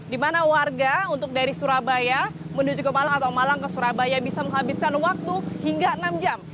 di mana warga untuk dari surabaya menuju ke malang atau malang ke surabaya bisa menghabiskan waktu hingga enam jam